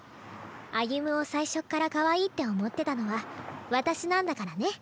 歩夢を最初っからかわいいって思ってたのは私なんだからね。